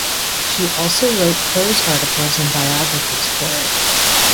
She also wrote prose articles and biographies for it.